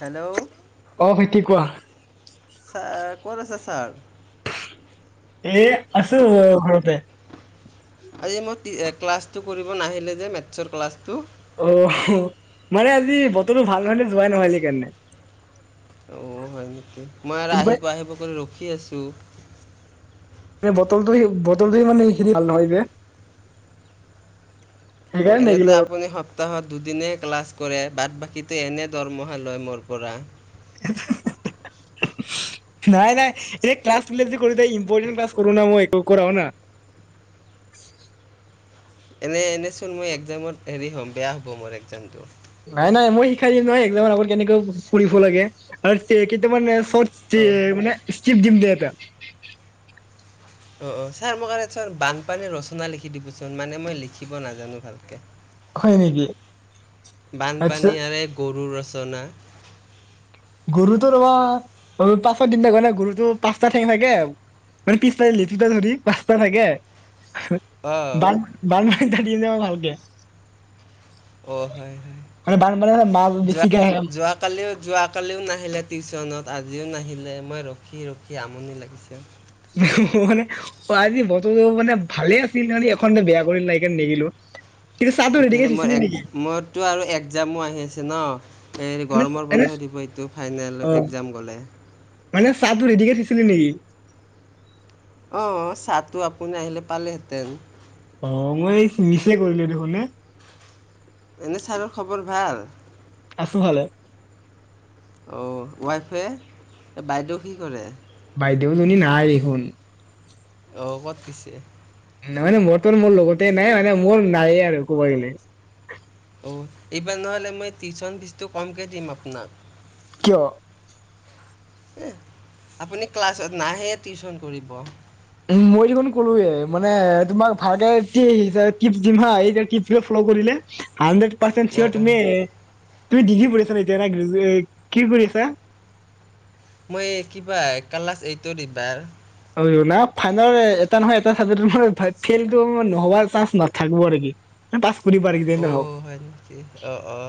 Hello. অ' ভাইটি কোৱা। ছাৰ, ক'ত আছে ছাৰ? এই আছো, ঘৰতে। আজি মই ক্লাছটো কৰিব নাহিলে যে মেথছৰ ক্লাছটো? অ' মানে আজি বতৰো ভাল নহয়, যোৱাই নহ'ল সেইকাৰণে। অঁ হয়। মই আৰু এইবাৰ আহিব-আহিব কৰি ৰখি আছোঁ। [unintelligible] বতৰটোৱে-বতৰটোৱে মানে হেৰি, ভাল নহয় যে অ' সেইকাৰণে এনেতো নেগিলো আৰু। আপুনি সপ সপ্তাহত দুদিনেই ক্লাছ কৰে, বাট বাকীটো এনে দৰমহা লয় মোৰ পৰা! [unintelligible] নাই নাই, এ ক্লাছবিলাক যে কৰি থাকোঁ, ইম্পৰ্টেন ক্লাছ কৰোঁ ন? মই একো কৰাও না এনেই এনেচোন মই একজামত হেৰি হ'ম, বেয়া হ'ব মোৰ একজামটো। নাই নাই, মই শিকাই দিম নহয় একজামৰ আগত কেনেকৈ পঢ়িব লাগে! আৰু কেইটামান অঁ মানে স্কিপ দিম দে। [unintelligible] অ' অ', ছাৰ মোক কাৰণে বানপানীৰ ৰচনা লিখি দিবিচোন। মানে মই লিখিব নাজানো ভালকে। হয় নেকি? আচ্ছা বানপানী আৰু এ গৰুৰ ৰচ চনা গৰুটো ৰ, [unintelligible] গৰুটো পাঁচটা ঠেং থাকে, মানে পিছফালৰ লিটুটা ধৰি পাঁচটা থাকে। অঁ বান-বান [unintelligible] ভালকে অ' হয় হয়। মানে বানপানী মাছ বিশ যোৱা যোৱাকালিও যোৱা কালিও নাহিলে টিউচনত, আজিও নাহিলে। মই ৰখি ৰখি আমনি লাগিছে। মানে আজি বতৰ মানে ভালে আছিল, মানি এখন বেয়া কৰিল ন সেইকাৰণে নেগেলো ইফালে মোৰ এক, মোৰতো আৰু একজামো আহি আছে ন? এই এনে গৰমৰ এনে বন্ধ দিব, এইটো ফাইনেল অ একজাম গ'লে। মানে চাহটো ৰেডিকে থৈছিলি নেকি? অ' চাহটো আপুনি আহিলে পালেহেঁতেন! অ' মই মিছে কৰিলো দেখোন এ। এনে ছাৰৰ খবৰ ভাল? আছো ভালে। অ ৱাইফে বাইদেউ কি কৰে দেউজনী নাই দেখোন অহ কত পিছে নাই মানে মোৰ ত মোৰ লগতে নাই মানে মোৰ নাই আৰু কোৱাই নাই অঁ এইবাৰ নহ'লে মই টিউশ্যন ফিজটো কমকৈ দিম আপোনাক কিয় হ আপুনি ক্লাছত নাহে টিউচন কৰিব উ মই দেখোন কলোৱে মানে তোমাক ভালকে কি শিকাই কিপছ দিম হা এইটোৱে কিপছ দি ফল কৰিলে হান্ড্ৰেড পাৰ্চেণ্ট অঁ চিয়ৰ অঁ তুমি তুমি ডিগ্ৰী কৰিছা এতিয়া নে গ্ৰেজোৱে কি কৰিছা মই কিবা কালাছ এইতট এই বাৰ হৈ গ'লা ফাইনেল এটা নহয় এটা চাবজেক্ট তোমাৰ ফাইভ ফেইলটো নহবা চান্স নাথাকোব নেকি অ হয় নেকি অ অ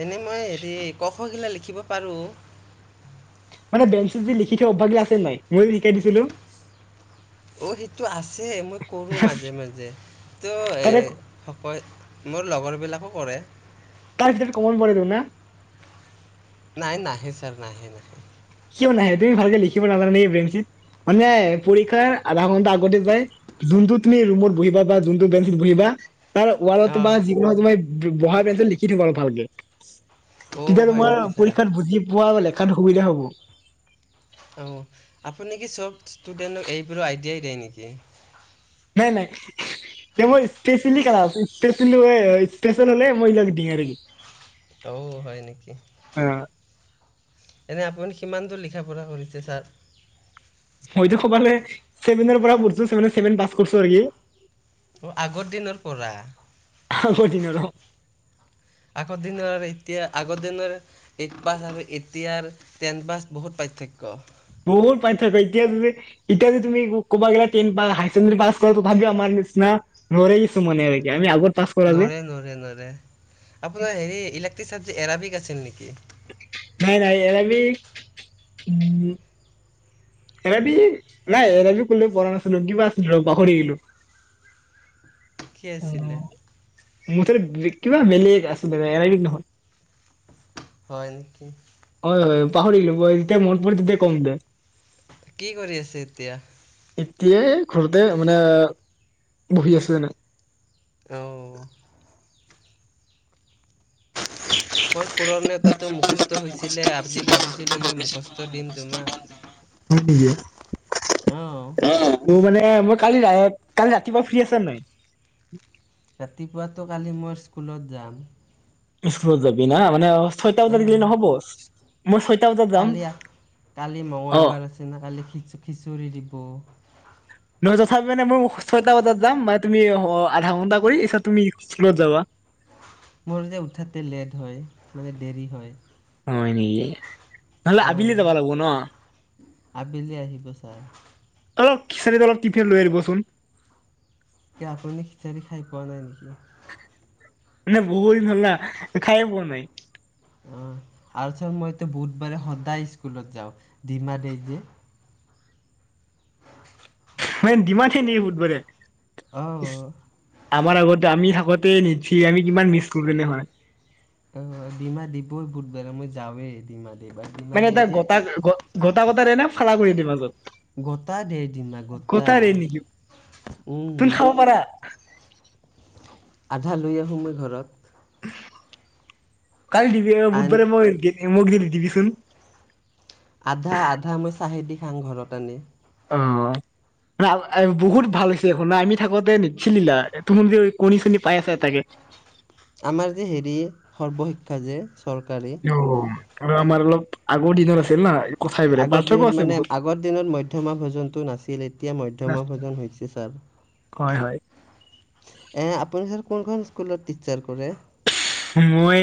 এনে মই হেৰি ক খ গিলা লিখিব পাৰোঁ মানে বেঞ্চ যি লিখি থোৱা অভাগ্য আছিল নাই মই যে শিকাই দিছিলো অ' সেইটো আছে মই কৰোঁ মাজে তাৰে মাজে তোএ সকল মোৰ লগৰ বিলাকো কৰে তাৰ খালি কমন পৰিদিও না নাই নাহে ছাৰ নাহে নাহে কিয় নাহে তুমি ভালকে লিখিব নাজানে নেকি বেঞ্চিত মানে পৰীক্ষাৰ আধা ঘন্টা আগতে যায় যোনটো তুমি ৰুমত বহিবা বা যোনটো বেঞ্চত বহিবা তাৰ ৱাল বা অ' যিকোনো তুমি বহাৰ বেঞ্চত লিখি দিম আৰু ভালকে অ' তেতিয়া হয় তোমাৰ নেকি ছাৰ? পৰীক্ষাত বুজি পোৱা লেখাত সুবিধা হ'ব অঁ আপুনি কি চব ষ্টুডেণ্টক এইবোৰো আইডিয়াই দিয়ে নেকি নাই নাই এ মই [unintelligible] হলে মই ইবিলাক দিম আৰু ঔ হয় নেকি অ এনে আপুনি সিমানটো লিখ [unintelligible] কৰিছে ছাৰ মইতো কবালে ছেভেনৰ পৰা পঢ়ছো ছেভেন ছেভেন পাছ কৰিছো নেকি অ আগৰ দিনৰ পৰা ক আগৰ দিনৰ অ আগৰ দিনৰ এতিয়া, আগৰ দিনৰ, এইট পাছ আৰু এইট- দিয়াৰ, টেনপাছ বহুত পাৰ্থক্য। বহুত পাৰ্থক্য এতিয়া যদি, এতিয়া যদি তুমি ক'ব গলে টেন পাছ, হাইচেকেণ্ডী পাছ কৰা তথাপিও আমাৰ নিচিনা নোৱাৰে কিছুমানে আৰু আমি আগত- পাছ কৰা যে নোৱাৰে, নোৱাৰে, নোৱাৰে, আপোনাৰ হেৰি ইলেক্ট্ৰিক চাবজেক্ট এৰাবিক- ঠিক আছিল নেকি? নাই, নাই, এৰাবিক- এৰাবি, নাই এৰাবিক কোনো পঢ়া নাছিলো। কিবা আছিল পাহৰি গলো। ঠিকে আছিলে। মুঠতে কিবা বেলেগ আছিলে। [unintelligible] হয়, নেকি? হয়, হয় পাহৰিলো যেতিয়া মনত পৰিব তেতিয়াই কম দে। কি কৰি আছে এতিয়া? এতিয়া এ ঘৰতে মানে, বহি আছো এনেই। অঁ অঁ অঁ। পুৰণ নেউতাটো মুখস্থ হৈছি লে, আজি ভাবিছিলোঁ মই মুখস্থ দিম তোমাক। হয় নেকি? অঁ। এ' মই কালি, কালি ৰাতিপুৱা ফ্ৰী আছা নাই? ৰাতিপুৱাতো কালি মই স্কুলত যাম। স্কুলত যাবি না মানে, অহ অ! ছয়টা বজাত যাম কালি, কালি অ'। মঙগলবাৰ আছে ন', কালি খিচ- খিচৰি দিব। নহয় তথাপি মানে, মোৰ ছয়টা বজাত যাম, মানে তুমি আঁ আধা ঘণ্টা কৰি পিছত তুমি স্কুলত যাবা। মোৰ যে উঠোতে লেট হয়, মানে দেৰি হয়। হয় নেকি? নহ'লে আবেলি অঁ যাবা লাগব' ন'? আবেলি আহিব ছাৰ অলপ, খিছাৰীত অলপ টিফিন লৈ আনিবচোন। কিয়া আপুনি খিচাৰি খাই পোৱা নাই নেকি? মানে বহুত দিন হ'ল না খায়ে পোৱা নাই। অঁ আৰু টো মইতো বুধবাৰে সদায় স্কুলত যাওঁ, ডিমা দেই যি। [unintelligible] মানে, ডিমা থাকে নেকি বুধবাৰে? অঁহ অ। আমাৰ আগতে, আমি থাকোতে নিদিয়ে। আমি কিমান মিচ কৰো নহয়। অঁ, ডিমা দিবই বুধবাৰে মই যাওৱে ডিমাত মানে তাৰ গ'টা, গট-গ'টা তা দেইনা? ফালা কৰি দিয়ে মাজত? গ'টা দেই ডিমা গ'টা। গটাৰে নেকি তুন উম-উম। খাব পাৰা আধা লৈ আহোঁ মই ঘৰত। কালি দিবি আৰু বুধ আন বাৰে মই দি- মোক দি দিবিচোন। আধা-আধা মই চাহেদি খাঙ ঘৰত আনি। অ, আ বহুত ভাল হৈছে শুনা, আমি থাকোঁতে নিদছিল না তুমযে কণী-চণী পাই আছা, তাকে। আমাৰ যে হেৰি, সৰ্বশিক্ষা যে। চৰকাৰী। আৰু আমাৰ অলপ, আগৰ দিনৰ আছিল না কথাই বেলেগ আগৰ পাৰ্থক্য দিনত, আছে মানে বহুত আগৰ দিনত মধ্যমা ভোজনটো নাছিল। এতিয়া মধ্যমা ভোজন হৈছে, ছাৰ। হয়, হয়। এ, আপুনি ছাৰ, কোনখন স্কুলত টিট্চাৰ কৰে? মই,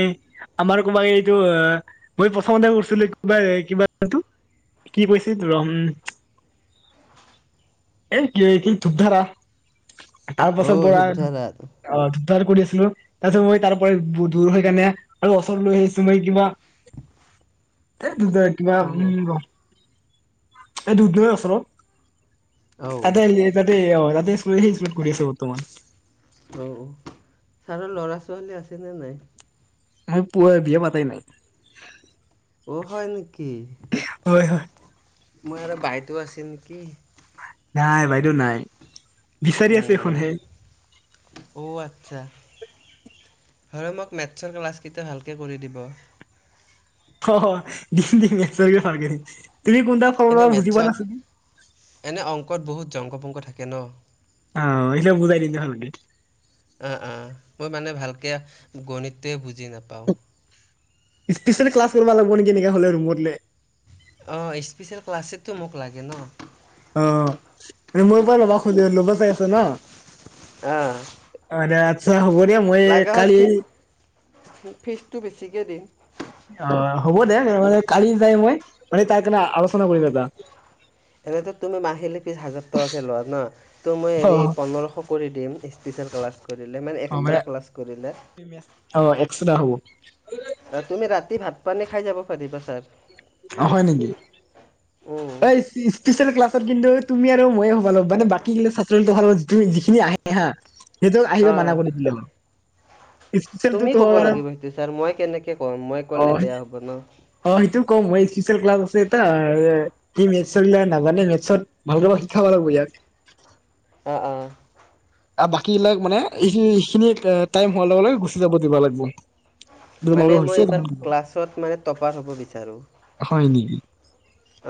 আমাৰ ক'ৰবাক, এইটো মই প্ৰথমতে কৰিছিলো, কিবা-কিবা, এইটো কি কৈছিল, ৰম এই, কি? এই ধূপ ধাৰা? তাৰ পাছত অ' বৰা ধূপধাৰাত অ উদ্ধাৰ কৰিছিলো। তাৰপিছত, মই তাৰ পৰা দূৰ হৈ কিনে আৰু ওচৰত লৈ আহিছো মই কিবা [unintelligible] [unintelligible] অ' এই ধূপ ধাৰা ওচৰত আ ততেেই অ [unintelligible] কৰি আছে বৰ্তমান। অ ছাৰৰ ল'ৰা-ছোৱালী আছেনে নাই? মই পুৱা বিয়া পাতাই নাই। অ, হয় নেকি? হয় হয় মই আৰু বাইতো আছ- হেন কি নাই, বাইদেউ নাই। বিচাৰি আছে উম, এখন হে। চা। হয়, মোক মেথছৰ ক্লাছকেইটা ভালকৈ কৰি দিব। অ', দিম, দিম মেথছ ৰ কেইটা ভালকে দিম। তুমি কোনটা এনেই ফৰ্মূলা বুজি পোৱা মেথছত নাছিলি? জংগ-পংগ থাকে ন? আহ আহিলে বুজাই দিম দে ভালকে। অ, অ, মই মানে ভালকে গণিতে বুজ- জি নাপাওঁ। স্পেচিয়েল ক্লাছ কৰিব লাগব নেকি, এনেকে ৰোমত লে। অ', স্পেচিয়েল ক্লাছেটো মোক লাগে ন। অ মই পৰা লব খুন্দ লব চাই আছ না অ হ'ব দিয়া মই লগা হয়, কালি ফিজ ফিজটো বেছিকৈ দিম। অ, হ'ব দে কালি যায় মই, তাৰকাৰনে আলোচনা কৰিম এবা। এনেতো তুমি মাহিলী ফিজ হাজাৰ টকাকে লোৱা ন। ত' মই অ হেৰি পোন্ধৰশ কৰি দিম স্পেচিয়েল ক্লাছ কৰিলে মানে এক্সট্ৰা ক্লাছ কৰিলে। অ [unintelligible] তুমি ৰাতি ভাত পানী খাই যাব পাৰিবা ছাৰ। অ হয় নেকি উম এই স্পেচিয়েল ক্লাছত কিন্তু তুমি আৰু ময়ে হ'ব লাগব মানে বাকী গিলা ছাত্ৰ হিল যিটো যিখিনি আহে হা। সেইটো আহিব মনা অ'। কৰি দিলে হ'ল। স্পেচিয়েলটো তুমি কব তোৰ লাগিব সেইটো ছাৰ মই কেনেকে কম মই অ কলে বেয়া হ'ব ন। অ সেইটো কম মই স্পচিয়েল ক্লাছ আছে এটা সি মেথছৰ গিলা নাজানে মেথছত ভালক শিকাব লাগিব ইয়াক অ অ আৰু বাকী বিলাক মানে এইখিনি টাইম হোৱাৰ লগে লগে গুচি যাব দিব লাগিব ম মানে মই হৈছে এইবাৰ ক্লাছত মানে টপাৰ হ'ব বিচাৰোঁ। হয় নেকি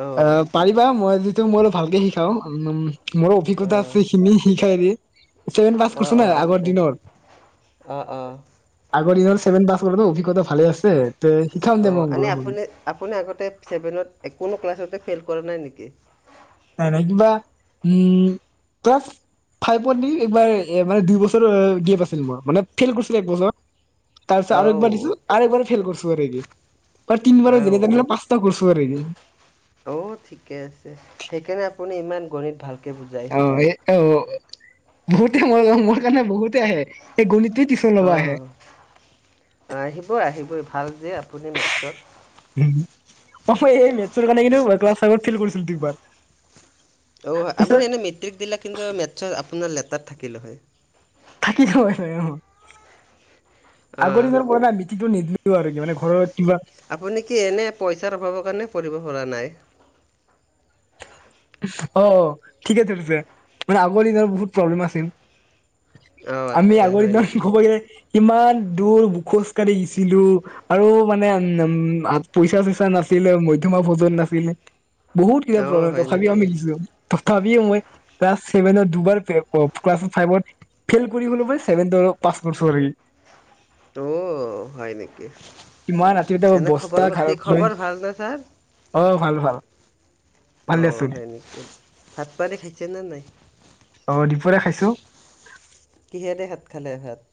অ' আহ পাৰিবা মই যিটো মোৰ ভালকে শিকাও উম নোম মোৰ অভিজ্ঞতা আছে অ' সখিনি শিকাই দে ভেন পাছ অ' কৰিছো ন অ' আগৰ আচ্ছা দিনৰ অ' অ'। আগৰ দিনৰ [unintelligible] ছেভেন পাছ কৰিব অভিজ্ঞতা ভালে আছে তে শিকাম দে অ এনে মই আপুনি আপুনি আগতে চছেভেনত কোনো ক্লাছতে ফেইল কৰা নাই নেকি? নাই নাই কিবা উম ক্লাছ ফাইভত এইবাৰ মানে দুই বছৰ গেফ দছিল মোৰ মানে ফেইল কৰিছিলো একবছৰ [unintelligible] তাৰপছ আৰুবাৰ দি অ', আৰুবাৰে ফেল কৰিছো ত ৰেগী [unintelligible] তাৰ তিন বাৰৰ অ', যেনে পাঁচটা কৰিছ [unintelligible] ৰেগিং অ ঠিকে আছে সেইকাৰণে আপুনি ইমান গণিত ভাল অৱ হে অৱ বহুতে মোৰ মোৰ কাৰণে বহুতে আহে এই গুণিত অ আহিব আহিব ভাল যে আপুনি মেট্ৰত [unintelligible] উম এই মে কাৰণে কিন্তু ফ্ৰেল কৰিছিলো দুই বাৰ অ আপুনি এনে মেট্ৰিক দিলে কিন্তু মেটছত আপোনাৰ লেটাৰ থাকিল হয় থাকিল হয় অ আগৰ অ', দিনৰ পৰা বিকি [unintelligible] নিদিলও আৰু কে মানে ঘৰৰ [unintelligible] আপুনি কি এনে পইচাৰ অভাৱৰ কাৰণে পৰিব পৰা নাই অ ঠিকে ধৰিছে মানে আগৰ দিন বহুত প্ৰব্লেম আছিল অ', আমি আচ্ছা আগৰ হয় দিনৰ নেকি? ক'ব এ ইমান দূৰ খোজ কাঢ়ি গিছিলো আৰু মানে উ উম পইচা চইচা নাছিলে মধ্যমা‍ ভোজন নাছিলে বহুত কিবা অ', হয় প্ৰব্লেম ক নেকি? মিলিছ [unintelligible] থাপিও মই ক্লাছ চেভেনত দুবাৰ ক্ল ক্লাছ ফাইভত ফেইল কৰি হলো মই চেভেন তৰ মই পাছ কৰিচো আৰি [unintelligible] ত হয় নেকি কিমান ৰাতি এটা এনে বস্তা খবৰ পাতি ঘাৰত লৈ খবৰ ভালনে ছাৰ অ ভাল ভাল অ ভালে আছো সেনেকি ভাত পানী খাইছে নে নাই [unintelligible] খাইছো। কিহেদি ভাত খালে ছাৰ?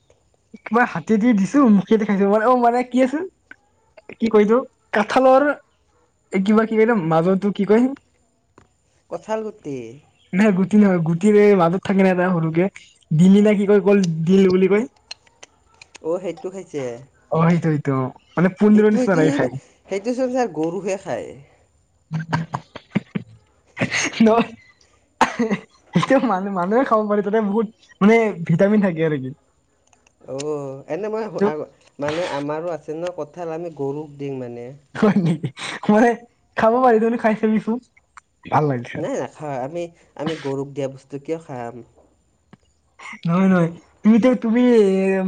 কিবা হাত দি দিছো, মুখে দে খাইছো। ম অ মানে কি আছিল কি কৈছোঁ কাঠালৰ কিবা কি কো মাজতো কি কয়? কঁঠালগুটি। নাই গুটি নহয় গুটিৰে মাজত থাকে ন এটা সৰুকে। দিলি না কি কয় কল দিল বুলি কয়। অ সেইটো খাইছে? অ সেইটো সেইটো মানে পোন্ধৰ সেইটো নিচিনা সেইটো চ লাগে খাই সেইটো চোন চাৰ গৰুহে খায়। ন সেইটো মানু মানুহে খাব পাৰি। তাতে বহুত মানে ভিটামিন থাকে আৰু কি। অ এনে মই মানে আমাৰো আছে। তেনকা কঁঠাল আমি গৰুক দিও মানে। হয় নেকি? মানে খাব পাৰি। তই খাই চাবিচোন। ভাল লাগে খাই নাই নাখাওঁ। আমি আমি গৰুক দিয়া বস্তু কিয় খাম? নহয়, নহয়। তুমি ত তুমি এ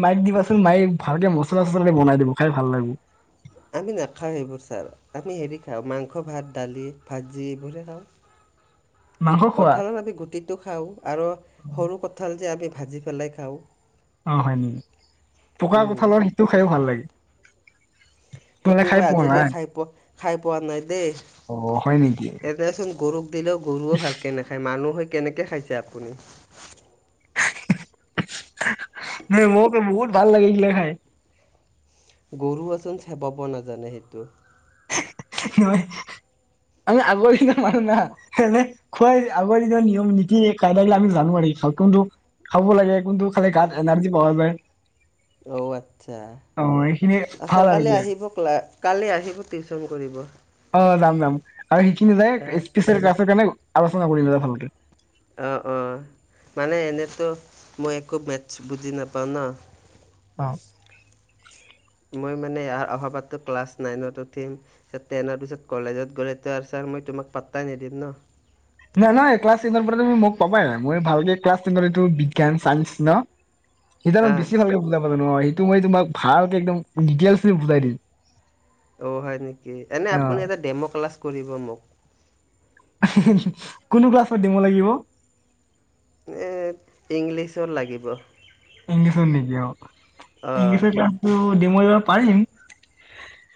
মাইক দিবাচোন মাইক ভালকে মছলা চচলা দি বনাই দিব। খাই ভাল লাগে। আমি নাখাওঁ সেইবোৰ ছাৰ। আমি হেৰি খাওঁ মাংস, ভাত, দালি, ভাজি এইবোৰহে খাওঁ। মাংস খোৱা কঁঠালত আমি গুটিটো খাওঁ আৰু সৰু কঠাল যে আমি ভাজি পেলাই খাওঁ। অ হয় নেকি? পকা উম। কঁঠালৰ সিটো খাইও ভাল লাগে। তোমালোকে সেইটো খাই মই পোৱা আজিলৈকে নাই খাই পোৱা খাই পোৱা নাই দেই। অ হয় নেকি এনেচোন গৰুক দিলেও গৰুও ভালকে নাখায়, মানুহে কেনেকে খাইছে আপুনি? ম মোক বহুত ভাল লাগিছিলে খাই। গৰু আচোন চেবাব নাজানে সেইটো। নহয় আমি আগৰ দিনা মানুহ না। এনে খুৱাই আগৰ দিনৰ নিয়ম নীতি কাইদা আমি জানো আৰু কোনটো খাব লাগে, কোনটো খালে গাত এনাৰ্জি পাৱা যায়। অ। আচ্ছা। অ এইখিনি আ ছাৰ ভাল আৰু কালি কি আহিব ক্লা কালি আহিব টিউছন কৰিব। অ যাম, যাম আৰু সেইখিনি যায় স্পেচিয়েল ক্লাছৰ কাৰণে পচনা কৰিবা ভালকে। অঁ, অঁ মানে এনেতো মই একো মেথছ বুজি নাপাওঁ ন। অ। মই মানে ইয়াৰ অহা পাতটো ক্লাছ নাইনত উঠিম। টেনৰ পিছত কলেজত গ'লে তো আৰু ছাৰ মই তোমাক পাত্তাই নিদিম ন। নাই, নহয়। ক্লাছ টেনৰ পৰা তুমি মোক পাবায়। মই ভালকে ক্লাছ টেনৰ এইটো বিজ্ঞান চাইঞ্চ ন? সিদিনা মই অঁ বেছি ভালকে বুজাম। ন সেইটো মই তোমাক ভালকে একদম ডিটেইলচ খিনি বুজাই দিম। অ হয় নেকি? এনে আপুনি এটা ডেম' ক্লাছ কৰিব মোক। হি-হি-হি। কোনোটো ক্লাছত ডেম লাগিব? এ ইংলিছত লাগিব। ইংলিছট নেকি? অ। অঁ ইংলিছৰ ক্লাছ টো ডিম মই [unintelligible] পাৰিম।